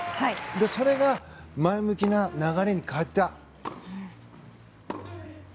それが前向きな流れに変えた。